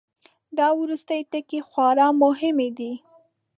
دا وروستی ټکی خورا مهم دی.